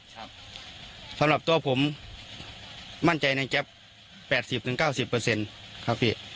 ครับสำหรับตัวผมมั่นใจในแค๊ปแปดสิบถึงเก้าสิบเปอร์เซ็นต์ครับพี่